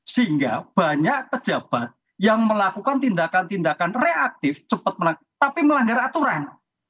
sehingga banyak pejabat yang melakukan tindakan tindakan reaktif cepat tapi melanggar aturan